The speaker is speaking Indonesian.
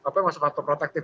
apa maksudnya faktor protektif